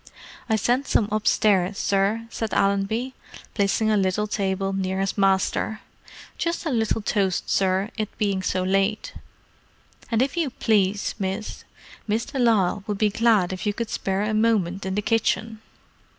"I sent some upstairs, sir," said Allenby, placing a little table near his master. "Just a little toast, sir, it being so late. And if you please, miss, Miss de Lisle would be glad if you could spare a moment in the kitchen."